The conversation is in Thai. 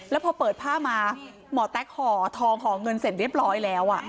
แล้วพอเปิดผ้ามาหมอแต๊กห่อทองห่อเงินเสร็จเรียบร้อยแล้ว